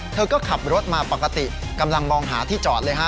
เธอก็ขับรถมาปกติกำลังมองหาที่จอดเลยฮะ